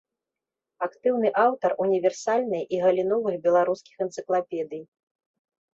Актыўны аўтар універсальнай і галіновых беларускіх энцыклапедый.